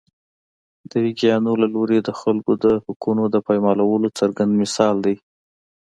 د ویګیانو له لوري د خلکو د حقونو د پایمالولو څرګند مثال دی.